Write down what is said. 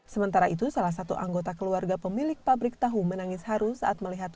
sementara itu salah satu anggota keluarga pemilik pabrik tahu menangis haru saat melihat